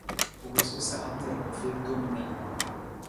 U wosuu sa a ter u fiin tong ni.